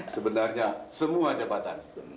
sebenarnya semua jabatan